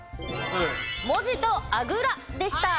「文字とあぐら」でした。